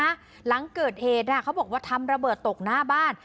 ดื่มกันด้วยนะหลังเกิดเหตุน่ะเขาบอกว่าทำระเบิดตกหน้าบ้าน